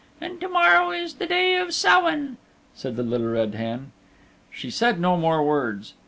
And to morrow is the day of Sowain," said the Little Red Hen. She said no more words.